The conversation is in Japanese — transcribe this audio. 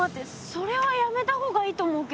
それはやめた方がいいと思うけど。